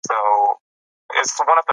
دا بېلېدو اضطراب یوه اروایي ګډوډي ده.